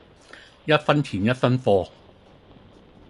一分錢一分貨